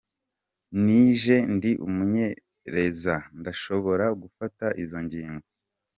"Nije ndi umumenyereza, ndashobora gufata izo ngingo.